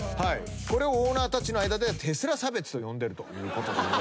これをオーナーたちの間ではテスラ差別と呼んでると。